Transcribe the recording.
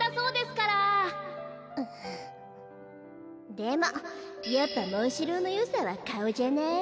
でもやっぱモンシローのよさはかおじゃない？